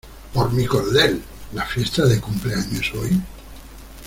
¡ Por mi cordel! ¿ La fiesta de cumpleaños es hoy?